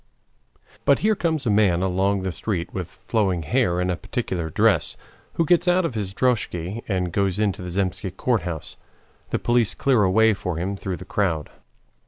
But here comes a man along the street with flowing hair and in a peculiar dress, who gets out of his droskhy and goes into the Zemsky Court house. The police clear a way for him through the crowd.